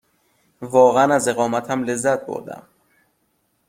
واقعاً از اقامتم لذت بردم.